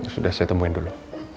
sudah saya temuin dulu